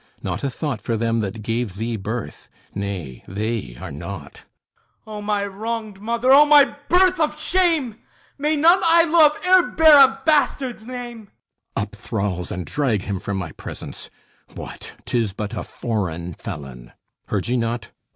Not a thought For them that gave thee birth; nay, they are naught! HIPPOLYTUS O my wronged Mother! O my birth of shame! May none I love e'er bear a bastard's name! THESEUS (in a sudden blaze of rage) Up, thralls, and drag him from my presence! What, 'Tis but a foreign felon! Heard ye not?